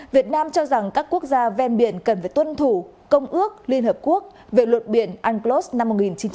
việt nam cho rằng các quốc gia ven biển cần phải tuân thủ công ước liên hợp quốc về luật biển unclos năm một nghìn chín trăm tám mươi hai